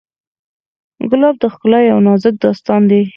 ګلاب د ښکلا یو نازک داستان دی.